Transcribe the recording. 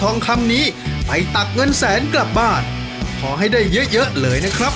คำนี้ไปตักเงินแสนกลับบ้านขอให้ได้เยอะเยอะเลยนะครับ